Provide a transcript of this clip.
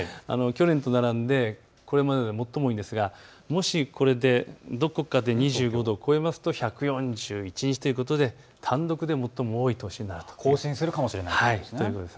去年と並んでこれまでで最も多いんですがもしどこかで２５度を超えると１４１日ということで単独で最も多い年になるという、更新するということですね。